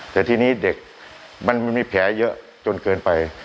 แต่ทีนี้เด็กมันมีแผลเยอะจนเกินไป